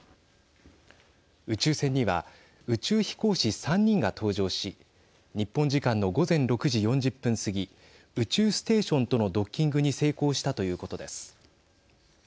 宇宙船には宇宙飛行士３人が搭乗し日本時間の午前６時４０分過ぎ宇宙ステーションとのドッキングに成功したということです。